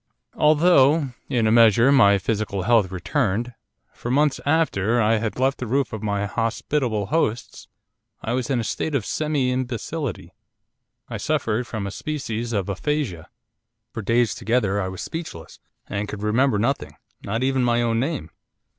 'Although, in a measure, my physical health returned, for months after I had left the roof of my hospitable hosts, I was in a state of semi imbecility. I suffered from a species of aphasia. For days together I was speechless, and could remember nothing, not even my own name.